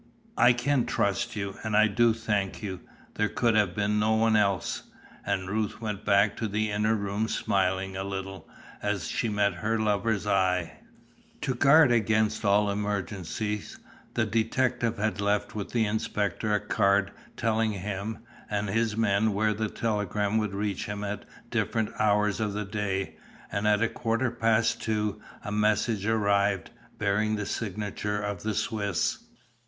"I can trust you, and I do thank you; there could have been no one else." And Ruth went back to the inner room smiling a little, as she met her lover's eye. To guard against all emergencies, the detective had left with the inspector a card telling him, and his men, where a telegram would reach him at different hours of the day, and at a quarter past two a message arrived, bearing the signature of the Swiss.